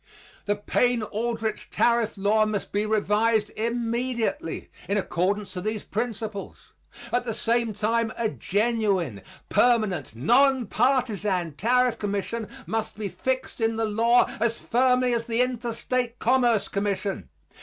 The Payne Aldrich tariff law must be revised immediately in accordance to these principles. At the same time a genuine, permanent, non partisan tariff commission must be fixed in the law as firmly as the Interstate Commerce Commission.